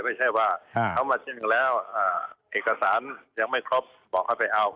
ไม่ใช่ว่าเขามาซึ่งแล้วเอกสารยังไม่ครบบอกให้ไปเอา